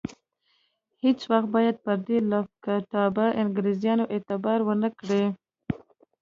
هیڅوک باید پر دې لافکتابه انګرېزانو اعتبار ونه کړي.